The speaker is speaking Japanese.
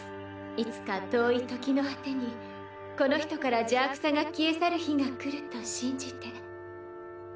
いつか遠い時の果てにこの人から邪悪さが消え去る日が来ると信じて。